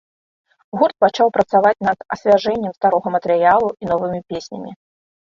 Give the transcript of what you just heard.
Гурт пачаў працаваць над асвяжэннем старога матэрыялу і новымі песнямі.